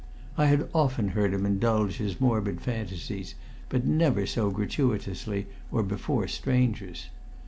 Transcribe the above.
I had often heard him indulge his morbid fancies, but never so gratuitously or before strangers.